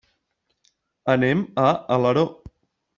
Anem a Alaró.